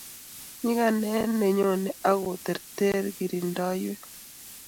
Nyikanatet ko nyone ak kotertererkirindoiywek